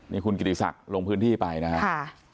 นี่คุณกิติศักดิ์ลงพื้นที่ไปนะครับ